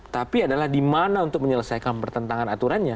tapi adalah di mana untuk menyelesaikan pertentangan aturannya